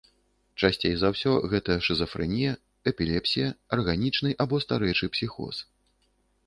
Часцей за ўсё гэта шызафрэнія, эпілепсія, арганічны або старэчы псіхоз.